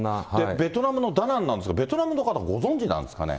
ベトナムのダナンなんですが、ベトナムの方、ご存じなんですかね。